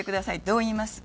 どう言います？